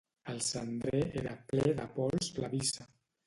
El cendrer era ple de pols blavissa.